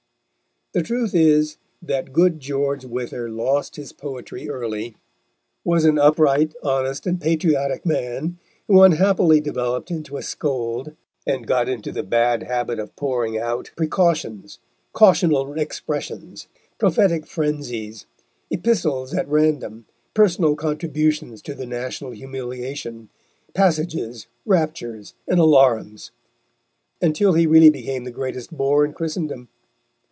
The truth is that good George Wither lost his poetry early, was an upright, honest, and patriotic man who unhappily developed into a scold, and got into the bad habit of pouring out "precautions," "cautional expressions," "prophetic phrensies," "epistles at random," "personal contributions to the national humiliation," "passages," "raptures," and "allarums," until he really became the greatest bore in Christendom.